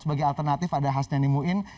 sebagai alternatif ada hasnani muin